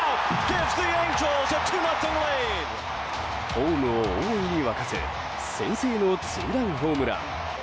ホームを大いに沸かす先制のツーランホームラン。